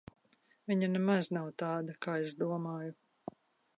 Viņa nemaz nav tāda, kā es domāju.